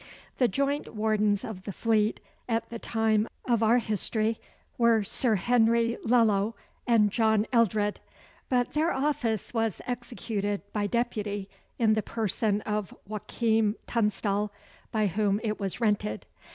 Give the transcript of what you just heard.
The joint wardens of the Fleet at the time of our history were Sir Henry Lello and John Eldred; but their office was executed by deputy in the person of Joachim Tunstall, by whom it was rented.